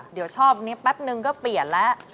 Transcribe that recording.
เดี๋ยวชอบนี้แป๊บนึงก็เปลี่ยนแล้ว